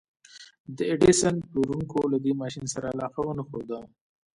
د ايډېسن پلورونکو له دې ماشين سره علاقه ونه ښوده.